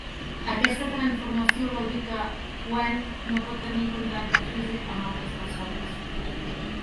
Aquesta transformació vol dir que Hwen no pot tenir contacte físic amb altres persones.